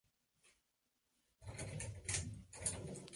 La mayoría de sus demos fueron incluidos en su álbum "Letters From Fire".